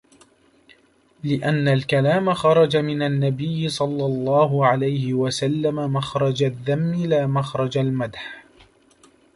لِأَنَّ الْكَلَامَ خَرَجَ مِنْ النَّبِيِّ صَلَّى اللَّهُ عَلَيْهِ وَسَلَّمَ مَخْرَجَ الذَّمِّ لَا مَخْرَجَ الْمَدْحِ